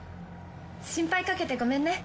心配かけてごめんね。